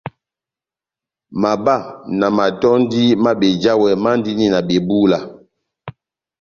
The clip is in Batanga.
Mabá na matɔ́ndi má bejawɛ mandini na bebúla.